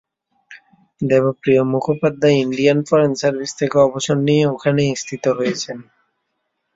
Debapriya Mukhopadhyay Indian foreign service থেকে অবসর নিয়ে ওখানেই স্থিত হয়েছেন।